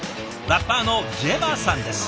ラッパーのＪＥＶＡさんです。